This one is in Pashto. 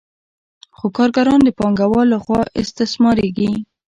خو کارګران د پانګوال له خوا استثمارېږي